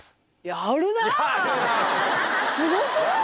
すごくない？